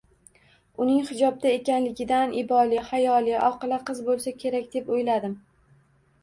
Uning hijobda ekanligidan iboli, hayoli, oqila qiz bo`lsa kerak deb o`yladim